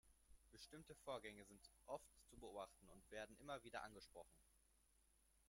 Bestimmte Vorgänge sind oft zu beobachten und werden immer wieder angesprochen.